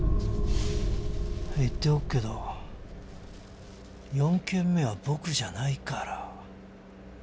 言っておくけど４件目は僕じゃないから。